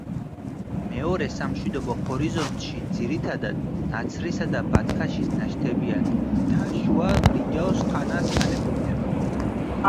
მეორე სამშვიდობო ჰორიზონტში ძირითადად ნაცრისა და ბათქაშის ნაშთებია და შუა ბრინჯაოს ხანას განეკუთვნება.